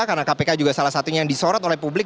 karena kpk juga salah satunya yang disorot oleh publik